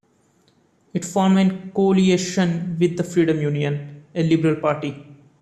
It formed a coalition with the Freedom Union, a liberal party.